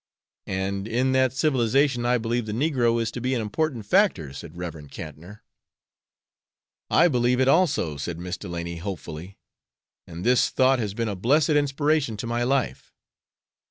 "And in that civilization I believe the negro is to be an important factor," said Rev. Cantnor. "I believe it also," said Miss Delany, hopefully, "and this thought has been a blessed inspiration to my life.